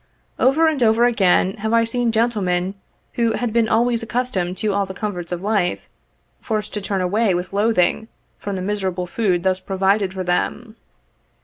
Over and over again have I seen gentlemen who had been always accustomed to all the comforts of life, forced to turn away with loathing from the miserable food thus provided for them.